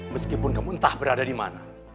meskipun kamu entah berada dimana